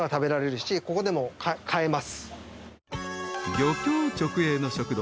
［漁協直営の食堂］